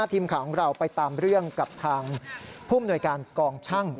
ทีมข่าวของเราไปตามเรื่องกับทางผู้มนวยการกองช่าง